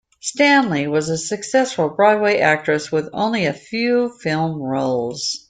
Stanley was a successful Broadway actress with only a few film roles.